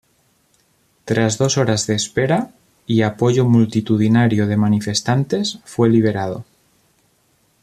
Tras dos horas de espera, y apoyo multitudinario de manifestantes, fue liberado.